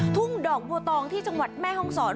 ทุ่งดอกบัวตองที่จังหวัดแม่ห้องศร